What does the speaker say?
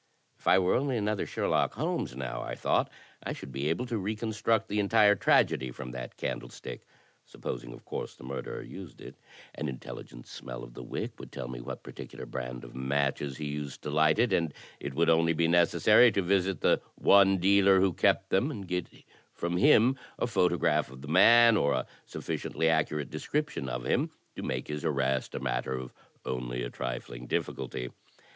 "If I were only another Sherlock Holmes now," I thought, "I should be able to reconstruct the entire tragedy from that candle stick, supposing of course the murderer used it. An intelligent smell of the wick would tell me what particular brand of matches THE DETECTIVE 75 he used to light it, and it would only be necessary to visit the one de^er who kept them and get from him a photograph of the man, or a sufficiently accurate description of him, to make his arrest a matter of only a trifling difficulty."